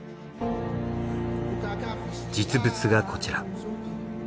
実物がこちら。